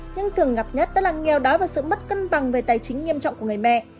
nhưng thường gặp nhất đó là nghèo đói và sự mất cân bằng về tài chính nghiêm trọng của người mẹ